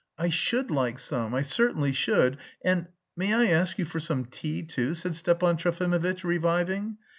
"I should like some, I certainly should, and... may I ask you for some tea too," said Stepan Trofimovitch, reviving.